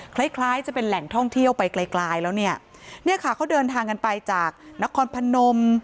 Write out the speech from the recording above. คล้ายคล้ายจะเป็นแหล่งท่องเที่ยวไปไกลไกลแล้วเนี่ยค่ะเขาเดินทางกันไปจากนครพนม